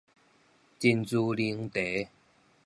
真珠奶茶